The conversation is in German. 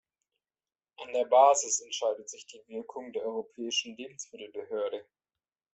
An der Basis entscheidet sich die Wirkung der Europäischen Lebensmittelbehörde.